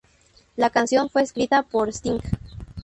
La canción fue escrita por Sting.